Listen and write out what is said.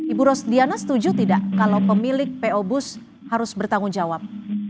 ibu rosdiana setuju tidak kalau pemilik po bus harus bertanggung jawab